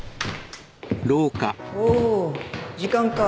おお時間か。